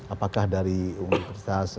apakah dari universitas indonesia